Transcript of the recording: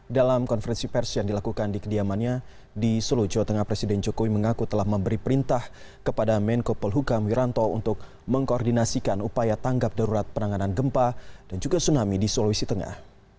dalam konferensi pers yang dilakukan di kediamannya di solo jawa tengah presiden jokowi mengaku telah memberi perintah kepada menko polhukam wiranto untuk mengkoordinasikan upaya tanggap darurat penanganan gempa dan juga tsunami di sulawesi tengah